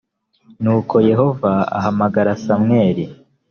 nuko yehova ahamagara samweli.